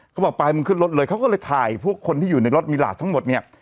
เขาบอกไปมึงขึ้นรถเลยเขาก็เลยถ่ายพวกคนที่อยู่ในรถมีหลาดทั้งหมดเนี่ย